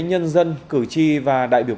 nhân dân cử tri và đại biểu